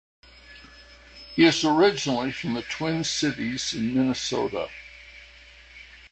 He is originally from the Twin Cities in Minnesota.